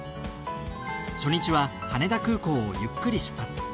初日は羽田空港をゆっくり出発。